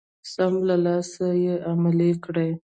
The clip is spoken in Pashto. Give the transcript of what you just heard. سم له لاسه يې عملي کړئ.